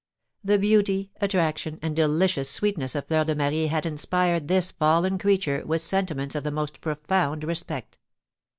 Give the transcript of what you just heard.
The beauty, attraction, and delicious sweetness of Fleur de Marie had inspired this fallen creature with sentiments of the most profound respect.